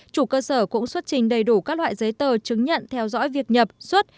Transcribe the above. chủ cơ sở cũng xuất trình đầy đủ các loại giấy tờ chứng nhận theo dõi việc nhập xuất